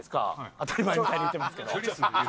当たり前みたいに言うてますけど。